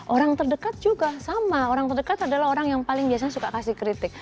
orang terdekat juga sama orang terdekat adalah orang yang paling biasanya suka kasih kritik